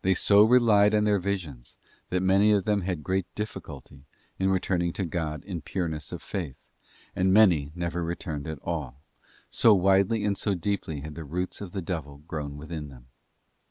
They so relied on their visions, that many of them had great difficulty in returning to God in pureness of faith, and many never returned at all; so widely and so deeply had the roots of the devil grown within them.